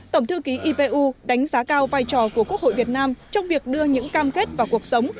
tổng thư ký ipu đánh giá cao vai trò của quốc hội việt nam trong việc đưa những cam kết vào cuộc sống